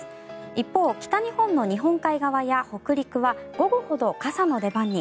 一方、北日本の日本海側や北陸は午後ほど傘の出番に。